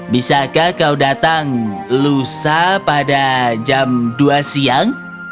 bisakah kau datang lusa pada jam dua siang